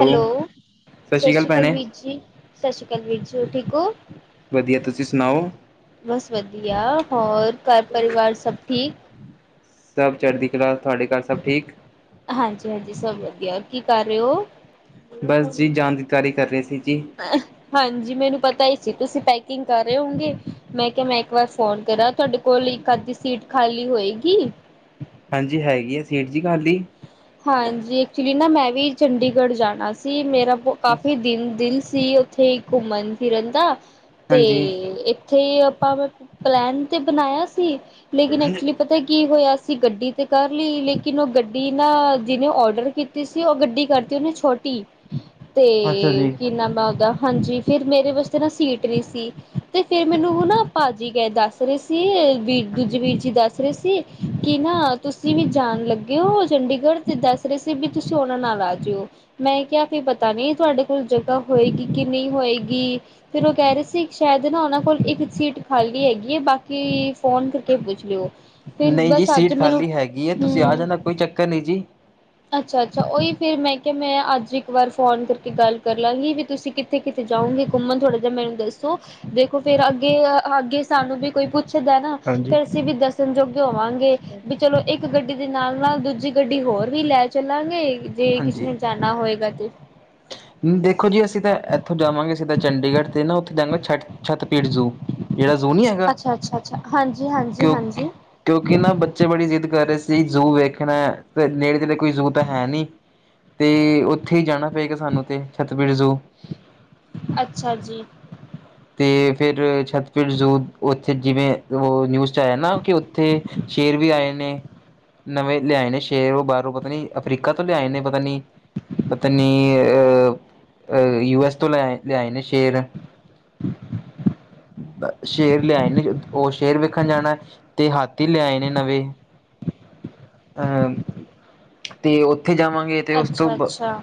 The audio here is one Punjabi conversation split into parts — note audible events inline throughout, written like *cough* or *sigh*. ਹੈਲੋ, ਸਤਿ ਸ਼੍ਰੀ ਅਕਾਲ ਵੀਰ ਜੀ ਸਤਿ ਸ਼੍ਰੀ ਅਕਾਲ ਵੀਰ ਜੀ ਹੋ ਠੀਕ ਹੋ। ਵਧੀਆ ਤੁਸੀਂ ਸੁਣਾਓ? ਬਸ ਵਧੀਆ ਹੋਰ ਘਰ ਪਰਿਵਾਰ ਸਭ ਠੀਕ? ਸਭ ਚੜ੍ਹਦੀ ਕਲਾ ਤੁਹਾਡੇ ਘਰ ਸਭ ਠੀਕ? ਹਾਂਜੀ ਹਾਂਜੀ, ਸਭ ਵਧੀਆ ਕੀ ਕਰ ਰਹੇ ਹੋ? ਬਸ ਜੀ ਜਾਣ ਦੀ ਤਿਆਰੀ ਕਰ ਰਹੇ ਸੀ ਜੀ। ਹਾਂਜੀ ਮੈਨੂੰ ਪਤਾ ਹੀ ਸੀ ਤੁਸੀਂ ਪੈਕਿੰਗ ਕਰ ਰਹੇ ਹੋਗੇ ਮੈਂ ਕਿਹਾ ਮੈਂ ਇੱਕ ਵਾਰ ਫੋਨ ਕਰਾਂ। ਤੁਹਾਡੇ ਕੋਲ ਇੱਕ ਅੱਧੀ ਸੀਟ ਖਾਲੀ ਹੋਏਗੀ। ਹਾਂਜੀ ਹੈਗੀ ਹੈ ਸੀਟ ਜੀ ਖਾਲੀ। ਹਾਂਜੀ ਐਕਚੁਲੀ ਨਾ ਮੈਂ ਵੀ ਚੰਡੀਗੜ੍ਹ ਜਾਣਾ ਸੀ ਮੇਰਾ ਕਾਫੀ ਦਿਨ ਦਿਲ ਸੀ ਉੱਥੇ ਘੁੰਮਣ ਫਿਰਨ ਦਾ ਤੇ ਹਾਂਜੀ ਉੱਥੇ ਆਪਾਂ ਪਲੈਨ ਤੇ ਬਣਾਇਆ ਸੀ ਲੇਕਿਨ ਐਕਚੁਲੀ ਪਤਾ ਕੀ ਹੋਇਆ ਸੀ ਗੱਡੀ ਤੇ ਕਰ ਲਈ ਲੇਕਿਨ ਉਹ ਗੱਡੀ। ਨਾ ਜਿਹਨੇ ਔਡਰ ਕੀਤੀ ਸੀ ਉਹ ਗੱਡੀ ਕਰਤੀ ਉਹਨੇ ਛੋਟੀ ਤੇ ਅੱਛਾ ਜੀ ਕੀ ਨਾਮ ਆ ਉਹਦਾ ਹਾਂਜੀ ਫਿਰ ਮੇਰੇ ਵਾਸਤੇ ਨਾ ਸੀਟ ਨੀ ਸੀ। ਤੇ ਫੇਰ ਮੈਨੂੰ ਨਾ ਭਾਜੀ ਗਏ ਦੱਸ ਰਹੇ ਸੀ ਵੀਰ ਦੂਜੇ ਹਾਂਜੀ ਵੀਰ ਜੀ ਦੱਸ ਰਹੇ ਸੀ। ਕੀ ਨਾ ਤੁਸੀਂ ਵੀ ਜਾਣ ਲੱਗੇ ਓ। ਚੰਡੀਗੜ੍ਹ ਦੇ ਦਸ ਰਹੇ ਸੀ ਵੀ ਤੁਸੀਂ ਉਹਨਾਂ ਨਾਲ ਆ ਜਿਓ। ਮੈਂ ਕਿਹਾ ਕਿ ਪਤਾ ਨਹੀਂ ਤੁਹਾਡੇ ਕੋਲ ਜਗ੍ਹਾ ਹੋਏਗੀ ਕਿ ਨਹੀਂ ਹੋਏਗੀ। ਫਿਰ ਉਹ ਕਹਿ ਰਹੇ ਸੀ ਸ਼ਾਇਦ ਨਾ ਉਹਨਾਂ ਕੋਲ ਇੱਕ ਸੀਟ ਖਾਲੀ ਹੈਗੀ ਹੈ ਬਾਕੀ। ਫੋਨ ਕਰਕੇ ਪੁੱਛ ਲਿਓ ਫਿਰ ਨਹੀਂ ਜੀ ਬਸ ਅੱਜ ਸੀਟ ਮੈਨੂੰ ਖਾਲੀ ਹੈਗੀ ਹੈ ਤੁਸੀਂ ਆ ਹਮ। ਜਾਣਾ ਕੋਈ ਚੱਕਰ ਨਹੀਂ ਜੀ। ਅੱਛਾ ਅੱਛਾ ਉਹੀ ਫਿਰ ਮੈਂ ਕਿਹਾ ਮੈਂ ਅੱਜ ਇੱਕ ਵਾਰ ਫੋਨ ਕਰਕੇ ਗੱਲ ਕਰ ਲਾਂਗੀ ਵੀ ਤੁਸੀਂ ਕਿ। ਕਿਥੇ ਕਿਤੇ ਜਾਊਗੇ ਘੁੰਮਣ ਥੋੜ੍ਹਾ ਜਿਹਾ ਮੈਨੂੰ ਦੱਸੋ ਦੇਖੋ ਫੇਰ ਅੱਗੇ ਅੱਗੇ ਸਾਨੂੰ ਵੀ ਕੋਈ ਪੁੱਛ। ਦਾ ਹੈ ਨਾ ਹਾਂਜੀ ਫਾਈ ਅਸੀਂ ਵੀ ਦੱਸਣ ਜੋਗੇ ਹੋਵਾਂਗੇ ਵੀ ਚਲੋ ਇੱਕ ਗੱਡੀ ਦੇ ਨਾਲ ਨਾਲ ਦੂਜੇ। ਜੀ ਗੱਡੀ ਹੋਰ ਵੀ ਲੈ ਚੱਲਾਂਗੇ ਜੇ ਕਿਸੇ ਹਾਂਜੀ, ਨੇ ਜਾਣਾ ਹੋਏਗਾ ਤੇ। ਦੇਖੋ ਜੀ ਅਸੀਂ ਤਾਂ ਇੱਥੋਂ ਜਾਵਾਂਗੇ ਅਸੀਂ ਤਾਂ ਚੰਡੀਗੜ੍ਹ ਤੇ ਨਾ ਉੱਥੇ ਜਾਗੇ ਛੱਡ। ਛੱਤਬੀੜ ਜ਼ੂ ਜਿਹੜਾ ਜ਼ੂ ਨਹੀਂ ਹੈਗਾ ਅੱਛਾ-ਅੱਛਾ-ਅੱਛਾ ਓਕੇ ਹਾਂਜੀ-ਹਾਂਜੀ-ਹਾਂਜੀ ਓਕੇ। ਕਿਉਂਕਿ ਨਾ ਬੱਚੇ ਬੜੀ ਜ਼ਿੱਦ ਕਰ ਰਹੇ ਸੀ ਜ਼ੂ ਵੇਖਣਾ ਤੇ ਨੇੜੇ ਤੇੜੇ ਕੋਈ ਜ਼ੂ ਤਾਂ ਹੈ ਨਹੀਂ। ਤੇ ਉੱਥੇ ਹੀ ਜਾਣਾ ਪਏਗਾ ਸਾਨੂੰ ਤੇ ਛੱਤਬੀੜ ਜ਼ੂ। ਅੱਛਾ ਜੀ। ਅਤੇ ਫਿਰ ਛੱਤਬੀੜ ਉੱਥੇ ਜਿਵੇਂ ਉਹ ਨਿਊਜ਼। ਹੈ ਨਾ ਕਿ ਉੱਥੇ ਸ਼ੇਰ ਵੀ ਆਏ ਨੇ। ਨਵੇਂ ਲਿਆਏ ਨੇ ਸ਼ੇਰ ਉਹ ਬਾਹਰੋਂ ਪਤਾ ਨੀ ਅਫਰੀਕਾ ਤੋਂ ਲਿਆਏ ਨੇ ਪਤਾ ਨੀ ਪਤਾ ਨੀ ਯੂ ਐਸ ਤੋਂ ਲਿਆ ਲਿਆਏ ਨੇ ਸ਼ੇਰ। ਸ਼ੇਰ ਲਿਆਏ ਨੇ, ਉਹ ਸ਼ੇਰ ਵੇਖਣ ਜਾਣਾ ਤੇ ਹਾਥੀ ਲਿਆਏ ਨੇ ਨਵੇਂ। ਅਹ ਤੇ ਉੱਥੇ ਜਾਵਾਂਗੇ ਤੇ ਉਸ ਤੋਂ ਬ। ਅੱਛਾ-ਅੱਛਾ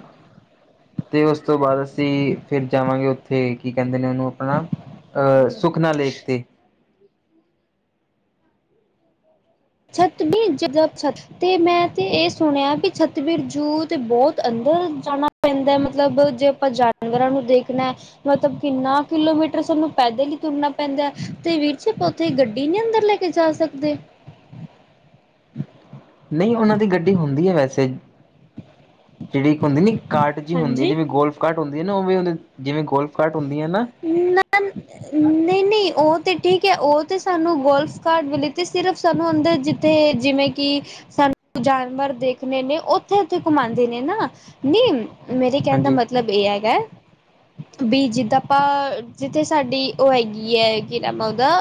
ਤੇ ਉਸ ਤੋਂ ਬਾਅਦ ਅਸੀਂ ਫਿਰ ਜਾਵਾਂਗੇ ਉੱਥੇ ਕੀ ਕਹਿੰਦੇ ਨੇ ਉਹਨੂੰ ਆਪਣਾ। ਅਹ ਸੁਖਨਾ ਲੇਕ ਤੇ। ਛੱਤਬੀੜ ਜ਼ੂ। ਤੇ ਮੈਂ ਤੇ ਇਹ ਸੁਣਿਆ ਵੀ ਛੱਤਬੀੜ ਜੂ ਤੇ ਬਹੁਤ ਅੰਦਰ ਜਾਣਾ। ਪੈਂਦਾ ਮਤਲਬ ਜੇ ਆਪਾਂ ਜਾਨਵਰਾਂ ਨੂੰ ਦੇਖਣਾ। ਮਤਲਬ ਕਿੰਨਾ ਕਿਲੋਮੀਟਰ ਸਾਨੂੰ ਪੈਦਲ ਹੀ ਤੁਰਨਾ ਪੈਂਦਾ ਹੈ ਤੇ ਵਿੱਚ। ਤੇ ਗੱਡੀ ਨੀ ਅੰਦਰ ਲੈ ਕੇ ਜਾ ਸਕਦੇ। ਨਹੀਂ ਉਹਨਾਂ ਦੀ ਗੱਡੀ ਹੁੰਦੀ ਹੈ ਵੈਸੇ ਜਿਹੜੀ ਇੱਕ ਹੁੰਦੀ ਨਹੀਂ। ਕਾਰਟ ਜਹੀ ਹੁੰਦੀ ਹੈ ਹਾਂਜੀ ਜਿਵੇਂ ਗੋਲਫ ਕਾਰਟ ਹੁੰਦੀ ਹੈ ਨਾ ਉਹ ਵੀ ਜਿਵੇਂ ਗੋਲਫ ਕਾਰਟ ਹੁੰਦੀ ਹੈ ਨਾ। ਨਹੀਂ ਨਹੀਂ। ਨਹੀਂ ਉਹ ਤਾਂ ਠੀਕ ਹੈ ਉਹ ਤਾਂ ਸਾਨੂੰ ਗੋਲਫ ਕਾਰਟ ਮਿਲੇ ਅਤੇ ਸਿਰਫ ਸਾਨੂੰ ਅੰਦਰ ਜਿੱਥੇ ਜਿਵੇਂ ਕਿ। ਸਾਨੂੰ ਜਾਨਵਰ ਦੇਖਣੇ ਨੇ ਉੱਥੇ ਉੱਥੇ ਘੁਮਾਉਂਦੇ ਨੇ ਨਾ ਨੀ। ਮੇਰੇ ਕਹਿਣ ਦਾ ਹਾਂਜੀ ਮਤਲਬ ਇਹ ਹੈਗਾ। ਵੀ ਜਿੱਦਾਂ ਆਪਾਂ ਜਿੱਥੇ ਸਾਡੀ ਉਹ ਹੈਗੀ ਹੈ ਕੀ ਨਾਮ ਆ ਉਹਦਾ।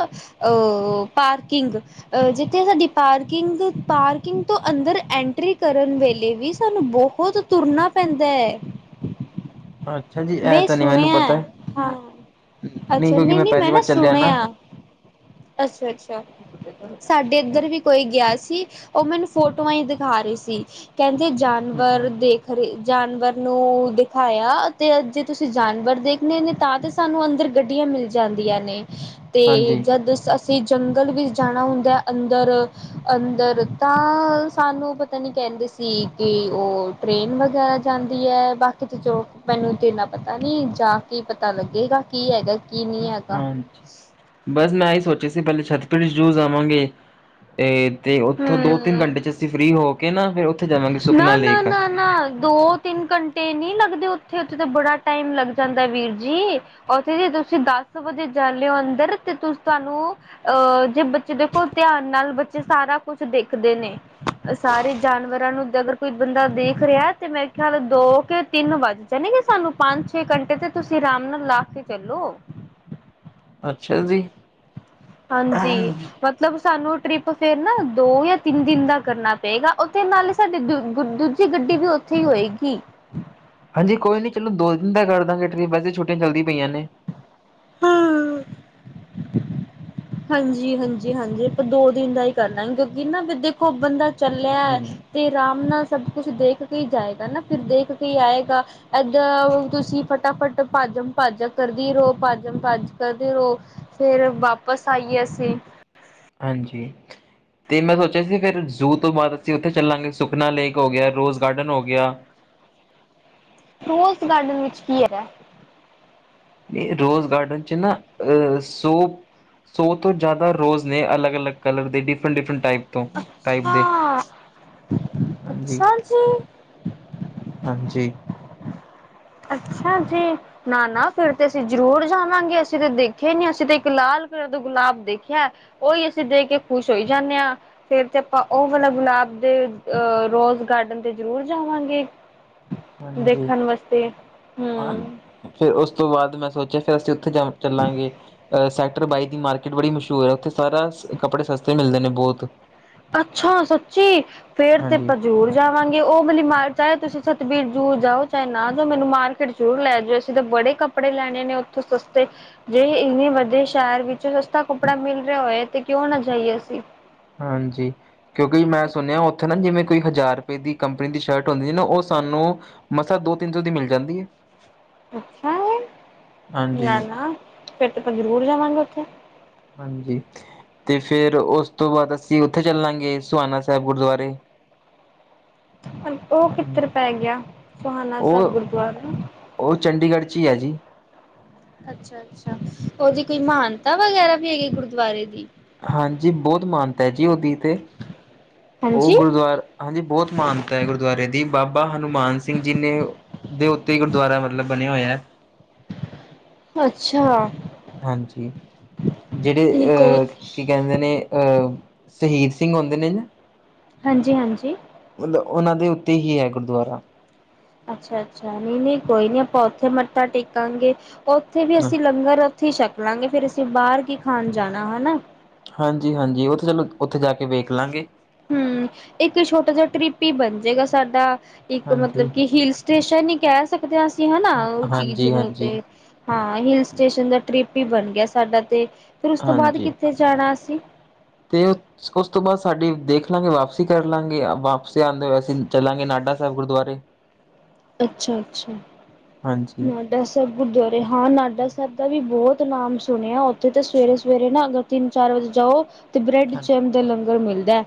ਉਹ ਪਾਰਕਿੰਗ। ਅ ਜਿੱਥੇ ਸਾਡੀ ਪਾਰਕਿੰਗ ਪਾਰਕਿੰਗ ਤੋਂ ਅੰਦਰ ਐਂਟਰੀ ਕਰਨ ਵੇਲੇ ਵੀ ਸਾਨੂੰ ਬਹੁਤ। ਉਹ ਤੇ ਤੁਰਨਾ ਪੈਂਦਾ ਹੈ। ਅੱਛਾ ਜੀ, ਇਹ ਮੈਂ ਤਾਂ। ਨਹੀਂ ਮੈਨੂੰ ਸੁਣਿਆ ਪਤਾ ਹਾਂ ਅੱਛਾ ਕਿਉਂਕਿ ਨਹੀਂ ਨਹੀਂ ਪਹਿਲੀ ਮੈਂ ਨਾ ਵਾਰ ਚੱਲਿਆ ਸੁਣਿਆ। ਅੱਛਾ ਅੱਛਾ। ਸਾਡੇ ਇੱਧਰ ਵੀ ਕੋਈ ਗਿਆ ਸੀ ਉਹ ਮੈਨੂੰ ਫੋਟੋਆਂ ਹੀ ਦਿਖਾ ਰਹੀ ਸੀ ਕਹਿੰਦੇ ਜਾਣ। ਵਰ ਦੇਖ ਰਹੇ ਜਾਨਵਰ ਨੂੰ ਦਿਖਾਇਆ ਤੇ ਜੇ ਤੁਸੀਂ। ਤਤੇ ਜਾਨਵਰ ਦੇਖਣੇ ਨੇ ਤਾਂ ਤੇ ਸਾਨੂੰ ਅੰਦਰ ਗੱਡੀਆਂ ਮਿਲ ਜਾਂਦੀਆਂ ਨੇ। ਤੇ ਹਾਂਜੀ ਜਦ। ਅਸੀਂ ਜੰਗਲ ਵਿੱਚ ਜਾਣਾ ਹੁੰਦਾ ਅੰਦਰ ਅੰਦਰ ਤਾਂ ਸਾਨੂੰ ਪਤਾ ਨਹੀਂ ਕਹਿੰਦੇ ਸੀ। ਸੀ ਕਿ ਉਹ ਟ੍ਰਰੇਨ ਵਗੈਰਾ ਜਾਂਦੀ ਹੈ ਬਾਕੀ ਤਾਂ ਜੋ ਮੈਨੂੰ ਤੇ ਇਨ੍ਹਾਂ। ਪਤਾ ਨੀ ਜਾ ਕੇ ਪਤਾ ਲੱਗੇਗਾ। ਕੀ ਹੈਗਾ ਕੀ ਨ। ਹਾਂਜੀ, ਬਸ ਮੈਂ ਇਹੀ ਸੋਚਿਆ ਸੀ ਪਹਿਲੇ ਛੱਤਬੀੜ ਜੂ ਜਾਵਾਂਗੇ। ਤੇ ਉੱਥੋਂ ਦੋ ਤਿੰਨ ਹਮ ਘੰਟੇ ਚ ਅਸੀਂ ਫਰੀ ਹੋ ਕੇ ਨਾ ਫ਼ਿਰ। ਨਾ ਨਾ ਨਾ ਨਾ। ਦੋ ਤਿੰਨ ਘੰਟੇ ਨੀ ਲੱਗਦੇ ਉੱਥੇ ਉੱਥੇ ਤਾਂ ਬੜਾ ਟਾਈਮ ਲੱਗ ਜਾਂਦਾ ਵੀਰ ਜੀ। ਉੱਥੇ ਜੇ ਤੁਸੀਂ ਦਸ ਵਜੇ ਜਾਂਦੇ ਓ ਅੰਦਰ ਤੇ ਤੁਸੀਂ ਤੁਹਾਨੂੰ ਅਹ ਜੇ ਬੱਚੇ ਦੇਖੋ ਧਿਆਨ ਨਾਲ ਬੱਚੇ ਸਾਰਾ ਕੁਛ ਦੇਖਦੇ ਨੇ। ਸਾਰੇ ਜਾਨਵਰਾਂ ਨੂੰ ਅਗਰ ਕੋਈ ਬੰਦਾ ਦੇਖ ਰਿਹਾ ਤੇ ਮੇਰੇ ਖਿਆਲ ਦੋ ਕੇ ਤਿੰਨ ਵੱਜ ਜਾਣਗੇ ਕਿ ਸਾਨੂੰ ਪੰਜ ਛੇ ਘੰਟੇ ਤੇ ਤੁਸੀਂ ਆਰਾਮ ਨਾਲ ਲਾ ਕੇ ਚੱਲੋ। ਅੱਛਾ ਜੀ, ਹਾਂਜੀ, ਮਤਲਬ ਸਾਨੂੰ ਟ੍ਰਿਪ ਫੇਰ ਨਾ ਦੋ ਜਾਂ ਤਿੰਨ ਦਿਨ ਦਾ ਕਰਨਾ ਪਏਗਾ ਉਹਦੇ ਨਾਲ ਸਾਡੇ ਦੂ ਦੂਜੀ ਗੱਡੀ ਵੀ ਉੱਥੇ ਹੀ ਹੋਏਗੀ। ਹਾਂਜੀ ਕੋਈ ਨੀ ਚਲੋ ਦੋ ਦਿਨ ਦਾ ਕਰ ਦਾਂਗੇ ਟ੍ਰਿਪ ਵੈਸੇ ਛੁਟੀਆਂ ਚੱਲਦੀ ਪਈਆਂ ਨੇ। *inaudible* ਹਾਂਜੀ ਹਾਂਜੀ, ਹਾਂਜੀ ਆਪਾਂ ਦੋ ਦਿਨ ਦਾ ਹੀ ਕਰਨਾ ਕਿਉਂਕਿ ਨਾ ਵੀ ਨਾ ਦੇਖੋ ਬੰਦਾ, ਚੱਲਿਆ ਤੇ ਰਰਾਮ ਨਾਲ ਸਭ ਕੁਛ ਦੇਖ ਕੇ ਹੀ ਜਾਏਗਾ ਨਾ ਫਿਰ ਦੇਖ ਕੇ ਹੀ ਆਏਗਾ। ਏਦਾਂ ਤੁਸੀਂ ਫਟਾਫਟ ਭਾਜਮ ਭਾਜਕ ਕਰਦੀ ਰਹੋ ਪਾਜਮ ਪਾਜ ਕਰਦੇ ਰਹੋ। ਫੇਰ ਵਾਪਸ ਆਈਏ ਅਸੀਂ ਹਾਂਜੀ, ਤੇ ਮੈਂ ਸੋਚਿਆ ਸੀ ਫਿਰ ਜ਼ੂ ਤੋਂ ਬਾਅਦ ਅਸੀਂ ਉੱਥੇ ਚੱਲਾਂਗੇ ਸੁਖਨਾ ਲੇਕ ਹੋ ਗਿਆ ਰੋਜ਼ ਗਾਰਡਨ ਹੋ ਗਿਆ। ਰੋਜ਼ ਗਾਰਡਨ ਵਿੱਚ ਕੀ ਹੈਗਾ। ਰੋਜ਼, ਗਾਰਡਨ ਵਿਚ ਚ ਨਾ ਅ ਸੋਪ ਸੌ ਤੋਂ ਜ਼ਿਆਦਾ, ਰੋਜ਼ ਨੇ, ਅਲੱਗ ਅਲੱਗ ਕਲਰ ਦੇ ਡਿਫਰੈਂਟ ਡਿਫਰੈਂਟ, ਟਾਈਪ। ਤੋਂ ਟਾਈਪ ਦੇ, ਹਾਂ ਹਾਂਜੀ। ਅੱਛਾ ਜੀ ਹਾਂਜੀ, ਅੱਛਾ, ਜੀ। ਨਾ ਨਾ, ਫਿਰ ਤੇ ਅਸੀਂ ਜ਼ਰੂਰ ਜਾਵਾਂਗੇ ਅਸੀਂ ਤਾਂ ਦੇਖਿਆ ਹੀ ਨਹੀਂ ਅਸੀਂ ਤੇ ਇੱਕ ਲਾਲ ਕਲਰ ਦਾ ਗੁਲਾਬ ਦੇਖਿਆ। ਉਹੀ, ਅਸੀਂ ਦੇਖ ਕੇ ਖੁਸ਼ ਹੋਈ ਜਾਣੇ ਆ। ਫੇਰ ਤੇ ਆਪਾਂ ਉਹ ਵਾਲਾ ਗੁਲਾਬ ਦੇ ਅਹ ਰੋਜ਼ ਗਾਰਡਨ ਤੇ ਜ਼ਰੂਰ ਜਾਵਾਂਗੇ। ਹਾਂਜੀ। ਤੇ ਹੂੰ, ਫੇਰ ਉਸ ਤੋਂ ਬਾਅਦ, ਮੈਂ ਸੋਚ। ਫਿਰ ਅਸੀਂ ਉੱਥੇ ਜਾ ਚੱਲਾਂਗੇ ਅਹ ਸੈਕਟਰ ਬਾਈ ਦੀ ਮਾਰਕੀਟ ਬੜੀ ਮਸ਼ਹੂਰ ਐ ਉੱਥੇ। ਸਾਰਾ ਕੱਪੜੇ ਸਸਤੇ ਮਿਲਦੇ ਨੇ, ਬਹੁਤ। ਅੱਛਾ, ਸੱਚੀ ਫੇਰ ਤੇ ਹਾਂਜੀ ਆਪਾਂ ਜਰੂਰ। ਜਾਵਾਂਗੇ। ਉਹ ਮੇਲੀ ਮਾਰ ਚਾਹੇ ਤੁਸੀਂ ਸਤਬੀਰ ਜੂ ਜਾਓ ਚਾਹੇ ਨਾ ਜਾਓ ਮੈਨੂੰ ਮਾਰਕੀਟ ਜ਼ਰੂਰ ਲੈ ਜਾਓ। ਅਸੀਂ ਤਾਂ ਬੜੇ ਕੱਪ ੜੇ ਲੈਣੇ ਨੇ, ਉੱਥੋਂ ਸਸਤੇ। ਜੇ ਇੰਨੇ, ਵੱਡੇ ਸ਼ਹਿਰ ਵਿੱਚ ਸਸਤਾ ਕੱਪੜਾ ਮਿਲ ਰਿਹਾ ਹੋਏ ਤੇ ਕਿਉਂ ਨਾ ਜਾਈਏ ਅਸੀਂ। ਹਾਂਜੀ, ਕਿਉਂਕਿ ਮੈਂ ਸੁਣਿਆ ਉੱਥੇ ਨਾ ਜਿਵੇਂ ਕੋਈ ਹਜ਼ਾਰ ਰੁਪਏ ਦੀ ਕੰਪਨੀ ਦੀ ਸ਼ਰਟ ਹੁੰਦੀ ਨਾ ਉਹ ਸਾਨੂੰ ਮਸਾਂ ਦੋ ਤਿੰਨ ਸੌ ਦੀ ਮਿਲ ਜਾਂਦੀ ਐ। ਅੱਛਾ, ਹਾਂਜੀ। ਨਾ ਨਾ ਫਿਰ ਤੇ ਆਪ ਜ਼ਰੂਰ ਜਾਵਾਂਗੇ ਉੱਥੇ। ਹਾਂਜੀ, ਤੇ ਫੇਰ ਉਸ ਤੋਂ ਬਾਅਦ ਅਸੀਂ ਉੱਥੇ ਚੱਲਾਂਗੇ ਸੁਹਾਣਾ ਸਾਹਿਬ ਗੁਰਦੁਆਰੇ। *unintelligible* ਉਹ ਹਾਂਜੀ। ਕਿੱਧਰ ਪੈ ਗਿਆ ਸੋਹਾਨਾ ਸਾਹਿਬ ਉਹ ਗੁਰਦੁਆਰਾ। ਉਹ, ਚੰਡੀਗੜ੍ਹ ਚ ਈ ਐ ਜੀ। ਅੱਛਾ ਅੱਛਾ ਉਹਦੀ ਕੋਈ ਮਹਾਨਤਾ ਵਗੈਰਾ ਵੀ ਹੈਗੀ ਗੁਰਦੁਆਰੇ, ਦੀ। ਹਾਂਜੀ, ਬਹੁਤ ਮਹਾਨਤਾ ਹੈ ਜੀ। ਉਹਦੀ ਤੇ ਉਹ ਹਾਂਜੀ ਗੁਰਦੁਆਰਾ। ਹਾਂਜੀ, ਬਹੁਤ ਮਾਨਤਾ ਹੈ ਗੁਰਦੁਆਰੇ ਦੀ ਬਾਬਾ ਹਨੂੰਮਾਨ ਸਿੰਘ ਜੀ ਨੇ, ਦੇ ਉੱਤੇ, ਗੁਰਦੁਆਰਾ ਮਤਲਬ ਬਣਿਆ ਹੋਇਆ ਹੈ। ਅੱਛਾ, ਹਾਂਜੀ, ਜਿਹੜੇ ਨਹੀਂ ਕੋਈ ਅ, ਕਹਿੰਦੇ ਨੇ ਅਹ ਸ਼ਹੀਦ ਸਿੰਘ ਹੁੰਦੇ ਨੇ ਨਾ। ਹਾਂਜੀ, ਹਾਂਜੀ। ਮਤਲਬ ਉਹਨਾਂ ਦੇ ਉੱਤੇ ਹੀ ਐ ਗੁਰਦੁਆਰਾ। ਅੱਛਾ ਅੱਛਾ, ਨਹੀਂ ਨਹੀਂ ਕੋਈ ਨੀ ਆਪਾਂ ਉੱਥੇ ਮੱਥਾ ਟੇਕਾਂਗੇ। ਉੱਥੇ ਵੀ ਅਸੀਂ ਲੰਗਰ। ਉੱਥੇ ਛਕ ਲਾਂਗੇ। ਫੇਰ ਅਸੀਂ ਬਾਹਰ ਕੀ ਖਾਣ ਜਾਣਾ ਹਨਾ। ਹਾਂਜੀ ਹਾਂਜੀ, ਉਹ ਤਾਂ ਚਲੋ ਉੱਥੇ ਜਾ ਕੇ ਵੇਖ ਲਾਂਗੇ। ਹੁ, ਇੱਕ ਛੋਟਾ ਜਿਹਾ ਟ੍ਰਿਪ ਹੀ ਬਣ ਜੇਗਾ ਸਾਡਾ। ਇੱਕ, ਮਤਲਬ ਹਾਂਜੀ ਕੀ ਹਿਲ ਸਟੇਸ਼ਨ ਹੀ ਕਹਿ ਸਕਦੇ ਆ ਅਸੀਂ ਹਨਾ ਉਹ ਚੀਜ਼ ਹਾਂਜੀ ਨੂੰ ਹਾਂਜੀ ਤੇ ਹਾਂ ਹਿਲ ਸਟੇਸ਼ਨ ਦਾ ਟ੍ਰਿਪ ਹੀ ਬਣ ਗਿਆ। ਸਾਡਾ ਤੇ ਫਿਰ ਉਸ ਤੋਂ ਬਾਅਦ ਹਾਂਜੀ ਕਿੱਥੇ ਜਾਣਾ ਅਸੀਂ। ਤੇ ਉਸ, ਤੋਂ ਬਾਅਦ ਸਾਡੀ ਦੇਖ ਲਾਂਗੇ ਵਾਪਸੀ ਕਰ ਲਾਂਗੇ ਵਾਪ, ਆਂਦੇ ਹੋਏ ਅਸੀਂ ਚੱਲਾਂਗੇ ਨਾਡਾ ਸਾਹਿਬ ਗੁਰਦੁਆਰੇ। ਅੱਛਾ, ਅੱਛਾ ਹਾਂਜੀ ਹਾਂ, ਡਾ ਸਾਹਿਬ ਗੁਰਦੁਆਰੇ ਹਾਂ ਨਾਡਾ ਸਾਹਿਬ ਦਾ ਵੀ ਬਹੁਤ ਨਾਮ ਸੁਣਿਆ ਉੱਥੇ ਤਾਂ ਸਵੇਰੇ ਸਵੇਰੇ, ਤਿੰਨ ਚਾਰ ਵਜੇ ਜਾਓ ਤੇ ਬ੍ਰੈਡ ਹਾਂਜੀ ਚਮ ਦਾ ਲੰਗਰ ਮਿਲਦਾ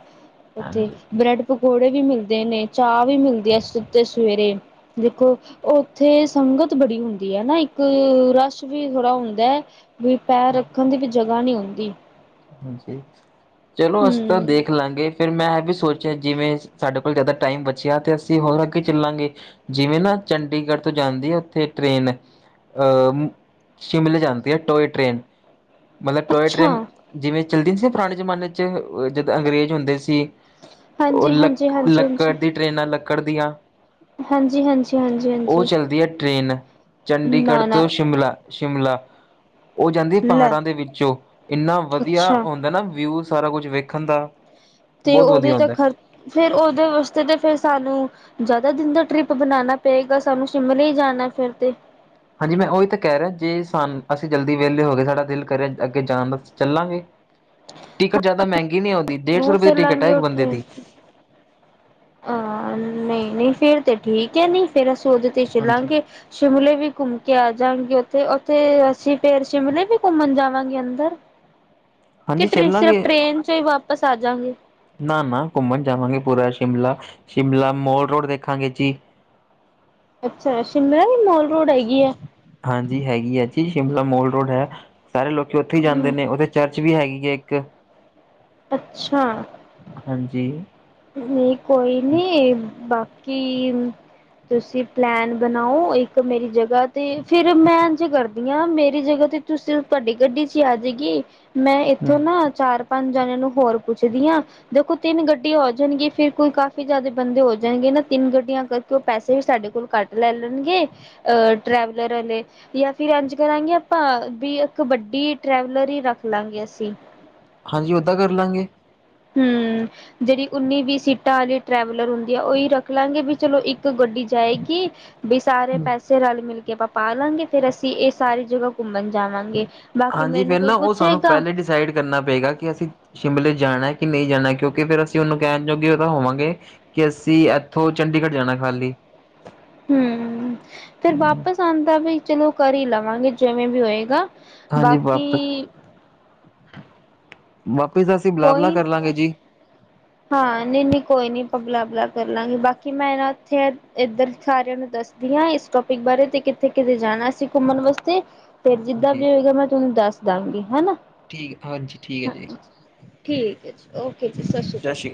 ਉੱਥੇ ਹਾਂਜੀ ਬ੍ਰੈਡ। ਪਕੌੜੇ ਵੀ ਮਿਲਦੇ ਨੇ ਚਾਹ ਵੀ ਮਿਲਦੀ ਆ ਸਿੱਧੇ ਸਵੇਰੇ ਦੇਖੋ। ਉੱਥੇ ਸੰਗਤ ਬੜੀ ਹੁੰਦੀ ਐ ਨਾ ਇੱਕ ਰਸ਼ ਵੀ ਥੋੜ੍ਹਾ ਹੁੰਦਾ। ਵੀ ਪੈਰ ਹਾਂਜੀ ਰੱਖਣ ਦੀ ਵੀ ਜਗਾ ਨਹੀਂ ਹੁੰਦੀ। ਹਾਂਜੀ ਚਲੋ ਅਸੀਂ ਤਾਂ ਹਮ ਦੇਖ ਲਾਂਗੇ। ਫੇਰ ਮੈਂ ਇਹ ਵੀ ਸੋਚ, ਜਿਵੇਂ ਸਾਡੇ ਕੋਲ ਜਿਆਦਾ ਟਾਈਮ ਬਚਿਆ ਤੇ ਅਸੀਂ ਹੋਰ ਅੱਗੇ ਚੱਲਾਂਗੇ। ਜਿਵੇਂ ਨਾ ਚੰਡੀਗੜ੍ਹ ਤੋਂ ਜਾਂਦੀ ਉੱਥੇ ਟ੍ਰੇਨ। ਸ਼ਿਮਲੇ ਜਾਂਦੀ ਐ ਉਹ ਟ੍ਰੇਨ। ਮਤਲਬ ਟੋਏ ਅੱਛਾ ਟ੍ਰੇਨ ਜਿਵੇਂ ਚੱਲਦੀ ਸੀ ਪੁਰਾਣੇ ਜ਼ਮਾਨੇ ਦੇ ਵਿੱਚ ਜਦੋਂ ਅੰਗਰੇਜ਼ ਹੁੰਦੇ ਸੀ। ਉਹ ਹਾਂਜੀ ਹਾਂਜੀ ਹਾਂਜੀ ਲੱਕੜ ਹਾਂਜੀ ਦੀਆਂ ਟ੍ਰੇਨਾਂ ਲੱਕੜ ਦੀਆਂ। ਹਾਂਜੀ ਹਾਂਜੀ ਹਾਂਜੀ ਓ ਹਾਂਜੀ ਚੱਲਦੀ ਆ ਟ੍ਰੇਨ ਚੰਡੀਗੜ੍ਹ ਨਾ ਨਾ ਤੋਂ ਸ਼ਿਮਲਾ ਚੱਲਦੀ ਆ। ਸ਼ਿਮਲਾ ਓ ਜਾਂਦੀ ਲੈ ਪਹਾੜਾਂ ਦੇ ਵਿਚੋਂ ਲੰਘਦੀ ਹੋਈ ਬਹੁਤ ਹੀ ਸੁੰਦਰ ਦ੍ਰਿਸ਼ ਦਿਖਾਉਂਦੀ ਹੈ। ਅੱਛਾ ਹੁੰਦਾ ਨਾ ਸਾਰਾ ਕੁਝ ਨਾ ਵੇਖਣ ਦਾ। ਤੇ ਬਹੁਤ ਉਹਦੇ ਵਧੀਆ 'ਤੇ ਹੁੰਦਾ ਖਰਚ ਵੀ ਫਿਰ ਉਹਦੇ ਵਾਸਤੇ ਫਿਰ ਸਾਨੂੰ, ਜ਼ਿਆਦਾ ਦਿਨਾਂ ਦਾ ਟਰਿਪ ਬਣਾਣਾ ਪਏਗਾ। ਫਿਰ ਸਾਨੂੰ ਸ਼ਿਮਲੇ ਹੀ ਜਾਣਾ ਫਿਰ ਤੇ। ਹਾਂਜੀ, ਮੈਂ ਉਹੀ ਤਾਂ ਕਹਿ ਰਿਹਾ ਹਾਂ। ਜੇ ਅਸੀਂ ਜਲਦੀ ਵਿਹਲੇ ਹੋ ਗਏ ਤੇ ਸਾਡਾ ਦਿਲ ਘਰੇ ਅੱਗੇ ਜਾਣ ਦਾ ਤਾਂ ਅਸੀਂ ਚੱਲਾਂਗੇ। ਟਿਕਟ ਜ਼ਿਆਦਾ ਮਹਿੰਗੀ ਨਹੀਂ ਹੁੰਦੀ ਡੇਢ ਸੌ ਜ਼ਰੂਰ ਰੁਪਏ ਦੀ ਟਿਕਟ ਚੱਲਾਂਗੇ ਇੱਕ ਬੰਦੇ ਦੀ। ਆ, ਨਹੀਂ-ਨਹੀਂ ਫਿਰ ਤਾਂ ਠੀਕ ਐ। ਫਿਰ ਅਸੀਂ ਉਹਦੇ 'ਤੇ ਹੀ ਹਾਂਜੀ। ਚੱਲਾਂਗੇ। ਸ਼ਿਮਲੇ ਵੀ ਘੁੰਮ ਕੇ ਆਜਾਗੇ। ਉੱਥੇ ਉੱਥੇ ਅਸੀਂ ਫਿਰ ਸ਼ਿਮਲੇ ਵੀ ਘੁੰਮਣ ਜਾਵਾਂਗੇ ਅੰਦਰ। ਹਾਂਜੀ ਕੀ ਸਿਰਫ਼ ਚੱਲਾਂਗੇ ਟ੍ਰੇਨ 'ਚ ਹੀ ਵਾਪਸ ਆ ਜਾਵਾਂਗੇ? ਨਾ ਨਾ ਘੁੰਮਣ ਤਾਂ ਜਾਵਾਂਗੇ। ਪੂਰਾ ਸ਼ਿਮਲਾ ਘੁੰਮਾਂਗੇ ਮਾਲ ਰੋਡ ਵੀ ਆਰਾਮ ਨਾਲ ਦੇਖਾਂਗੇ ਜੀ। ਅੱਛਾ ਜੀ, ਸ਼ਿਮਲੇ ਵਿੱਚ ਮਾਲ ਰੋਡ ਹੈਗੀ ਐ। ਹਾਂ ਜੀ, ਹੈਗੀ ਆ। ਸ਼ਿਮਲੇ ਦੀ ਮਾਲ ਰੋਡ ਹੈ। ਸਾਰੇ ਲੋਕ ਉੱਥੇ ਹੀ ਜਾਂਦੇ ਹਮ ਨੇ। ਚਰਚ, ਵੀ ਹੈਗੀ ਆ ਇੱਕ, ਅੱਛਾ, ਹਾਂਜੀ, ਨਹੀਂ, ਕੋਈ ਨੀ ਬਾਕੀ ਤੁਸੀਂ ਪਲੈਨ ਬਣਾਓ ਇੱਕ ਮੇਰੀ ਜਗ੍ਹਾ ਤੇ ਫਿਰ ਮੈਂ ਇੰਝ ਕਰਦੀ ਆ ਮੇਰੀ ਜਗ੍ਹਾ ਤੇ, ਤੁਸੀਂ ਤੁਹਾਡੀ ਗੱਡੀ 'ਚ ਹੀ ਆਜੇਗੀ। ਮੈਂ ਹੂੰ। ਇੱਥੋਂ ਨਾ ਚਾਰ ਪੰਜ ਜਣਿਆਂ ਨੂੰ ਹੋਰ ਪੁੱਛਦੀ ਆ! ਦੇਖੋ ਤਿੰਨ ਗੱਡੀ। ਆਂ ਹੋ ਜਾਣਗੀਆਂ ਫਿਰ ਮੇਰੇ ਕੋਲ ਕਾਫ਼ੀ ਜਿਆਦਾ ਬੰਦੇ ਹੋ ਜਾਣਗੇ ਤਿੰਨ ਗੱਡੀਆਂ ਕਰਕੇ ਪੈਸੇ ਵੀ ਘੱਟ। ਲੈ ਲੈਣਗੇ ਟਰੈਵਲਰ ਆਲੇ। ਜਾਂ ਫਿਰ ਇੰਝ ਕਰਾਂਗੇ ਆਪਾਂ ਵੀ ਇੱਕ ਵੱਡਾ ਟ੍ਰੈਵਲਰ ਹੀ ਰੱਖ ਲਾ ਅਸੀਂ। ਹਾਂਜੀ ਉੱਦਾਂ ਕਰ ਲਾਗੇ। ਹੁੰ, ਜਿਹੜੀ ਉੱਨੀ-ਵੀਹ ਸੀਟਾਂ ਵਾਲੀ ਟਰੈਵਲਰ ਹੁੰਦੀ ਆ, ਉਹੀ ਰੱਖ ਲਾਗੇ ਚਲੋ, ਇੱਕੋ ਗੱਡੀ ਜਾਏਗੀ ਤੇ ਸਾਰੇ ਇਕੱਠੇ ਸਫ਼ਰ ਕਰਾਂਗੇ। ਵੀ ਸਾਰੇ ਪੈਸੇ ਰਲ-ਮਿਲ ਕੇ ਪਾ ਲਵਾਂਗੇ, ਆਰਾਮ ਨਾਲ ਇਹ ਸਾਰੀਆਂ ਥਾਵਾਂ ਘੁੰਮਣ ਜਾਵਾਂਗੇ। ਬਾਕੀ ਹਾਂ ਜੀ, ਮੈਨੂੰ ਫਿਰ ਕੋਈ ਨਾ ਸਾਨੂੰ ਪੁੱਛੇਗਾ ਪਹਿਲਾਂ ਇਹ ਡਿਸਾਈਡ ਕਰਨਾ ਪਏਗਾ ਕਿ ਅਸੀਂ ਕਿੱਥੇ-ਕਿੱਥੇ ਜਾਣਾ ਹੈ। ਸ਼ਿਮਲੇ ਜਾਣਾ ਹੈ ਜਾਂ ਨਹੀਂ, ਇਹ ਪਹਿਲਾਂ ਹੀ ਡਿਸਾਈਡ ਕਰਨਾ ਪਏਗਾ, ਫਿਰ ਅਸੀਂ ਉਹਨੂੰ ਵੀ ਦੱਸ ਦੇਵਾਂਗੇ, ਤਾਂ ਉਹ ਵੀ ਉਸੇ ਹਿਸਾਬ ਨਾਲ ਪ੍ਰਬੰਧ ਕਰ ਲਵੇਗਾ। ਕੀ ਅਸੀਂ ਇੱਥੋਂ ਸਿਰਫ਼ ਚੰਡੀਗੜ੍ਹ ਹੀ ਜਾਣਾ ਹੈ? ਹਾਂ ਜੀ, ਫਿਰ ਵਾਪਸ ਆਉਣਾ ਵੀ ਕਰ ਹੀ ਲਵਾਂਗੇ, ਜਿਵੇਂ ਵੀ ਹੋਵੇਗਾ, ਹਾਂਜੀ ਬਾਕੀ, ਵਾਪਸ ਵਾਪਿਸ ਅਸੀ ਕੋਈ, ਹਾਂ ਜੀ, ਨਹੀਂ ਕੋਈ ਨੀ, ਤਬਾਦਲਾ ਕਰ ਲਾਂਗੇ, ਬਾਕੀ ਮੈਂ ਨਾ ਉੱਥੇ! ਇੱਧਰ ਸਾਰਿਆਂ ਨੂੰ ਇਸ ਟੌਪਿਕ ਬਾਰੇ ਦੱਸ ਦਿੰਦੀ ਹਾਂ, ਕਿ ਅਸੀਂ ਘੁੰਮਣ ਵਾਸਤੇ ਕਿੱਥੇ-ਕਿੱਥੇ ਜਾਣਾ ਹੈ। ਫਿਰ ਜਿਵੇਂ ਹਾਂਜੀ ਵੀ ਹੋਵੇਗਾ, ਮੈਂ ਤੁਹਾਨੂੰ ਦੱਸ ਦਵਾਂਗੀ, ਹੈ ਨਾ। ਠੀਕ ਹੈ ਜੀ, ਹਾਂ ਜੀ ਠੀਕ ਹੈ। ਠੀਕ ਹੈ ਜੀ, ਓਕੇ ਜੀ, ਸਤਿ ਸ਼੍ਰੀ ਅਕਾਲ।